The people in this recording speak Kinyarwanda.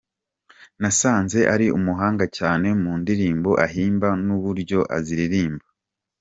Nasanze ari umuhanga cyane, mu ndirimbo ahimba n’uburyo aziririmba.